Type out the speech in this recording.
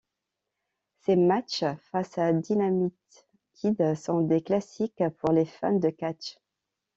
Ses matchs face à Dynamite Kid sont des classiques pour les fans de catch.